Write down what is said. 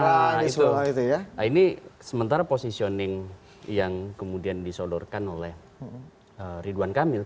nah itu ini sementara positioning yang kemudian disodorkan oleh ridwan kamil